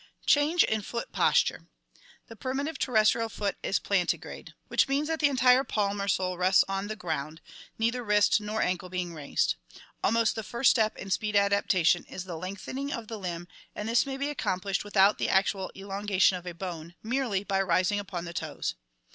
Change in Foot Posture. — The primitive terrestrial foot is plantigrade (Lat. planta, sole,, and gradi, to walk) which means that the entire palm or sole rests on the ground, neither wrist nor ankle being raised. Almost the first step in speed adaptation is the lengthening of the limb and this may be accomplished without the actual elongation of a bone, merely by rising upon the toes.